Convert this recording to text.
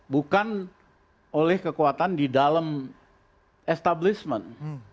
bukan oleh kekuatan di dalam establishment